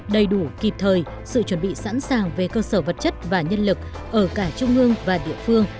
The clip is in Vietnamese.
đầy đủ kịp thời sự chuẩn bị sẵn sàng về cơ sở vật chất và nhân lực ở cả trung ương và địa phương